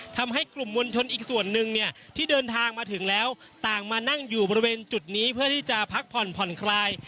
ทำให้กลุ่มมวลชนอีกส่วนนึงเนี่ยที่เดินทางมาถึงแล้วต่างมานั่งอยู่บริเวณจุดนี้เพื่อที่จะพักผ่อนผ่อนคลาย